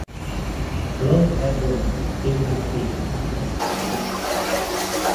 A blonde haired woman is dimly seen at the end of the video.